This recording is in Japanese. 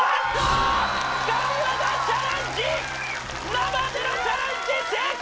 生でのチャレンジ成功！